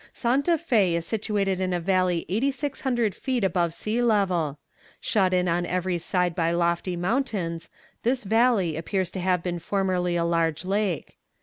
Santa Fé is situated in a valley 8600 feet above the sea level. Shut in on every side by lofty mountains, this valley appears to have been formerly a large lake.